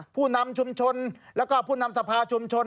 ผู้นำชุมชนแล้วก็ผู้นำสภาชุมชน